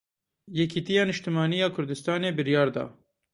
Yêkîtiya Niştimaniya Kurdistanê biryar da.